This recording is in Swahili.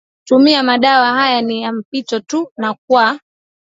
kutumia madawa haya ni ya mpito tu na kwa